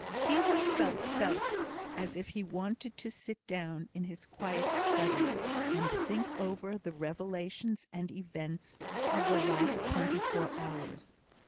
He himself felt as if he wanted to sit down in his quiet study, and think over the revelations and events of the last twenty four hours.